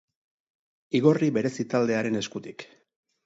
Igorri berezi taldearen eskutik.